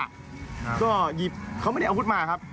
คนเจ็บผมไม่เห็นนะครับ